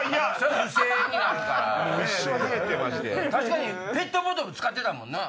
確かにペットボトル使ってたもんな。